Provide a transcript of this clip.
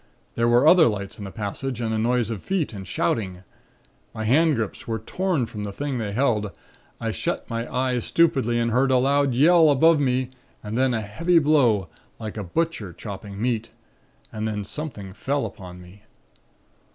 There were other lights in the passage and a noise of feet and shouting. My hand grips were torn from the thing they held; I shut my eyes stupidly and heard a loud yell above me and then a heavy blow, like a butcher chopping meat and then something fell upon me.